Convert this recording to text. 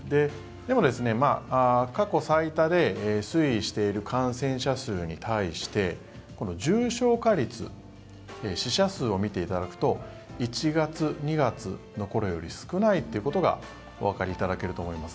でも、過去最多で推移している感染者数に対してこの重症化率死者数を見ていただくと１月、２月の頃より少ないということがおわかりいただけると思います。